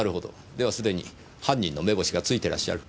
では既に犯人の目星がついてらっしゃる？